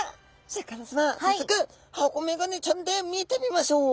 さっそく箱メガネちゃんで見てみましょう！